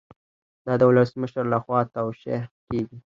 دا د ولسمشر لخوا توشیح کیږي.